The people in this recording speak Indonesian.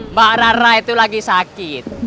mbak rara itu lagi sakit